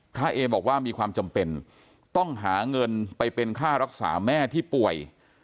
เอบอกว่ามีความจำเป็นต้องหาเงินไปเป็นค่ารักษาแม่ที่ป่วย